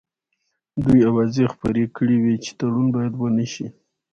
دوی اوازې خپرې کړې وې چې تړون باید ونه شي.